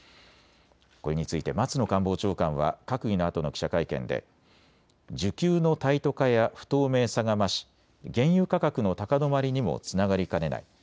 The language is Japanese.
これについて松野官房長官は閣議のあとの記者会見で需給のタイト化や不透明さが増し原油価格の高止まりにもつながりかねない。